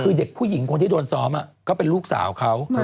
คือเด็กผู้หญิงคนที่โดนซ้อมก็เป็นลูกสาวเขา